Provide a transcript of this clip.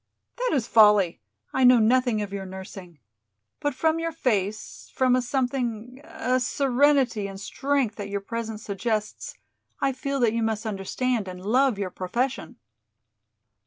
"That is folly. I know nothing of your nursing. But from your face, from a something, a serenity and strength that your presence suggests, I feel that you must understand and love your profession."